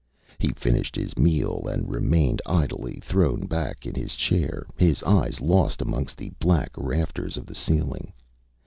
He finished his meal, and remained idly thrown back in his chair, his eyes lost amongst the black rafters of the ceiling.